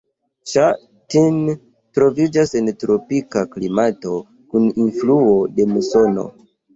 Ŝa Tin troviĝas en tropika klimato kun influo de musono.